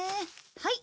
はい。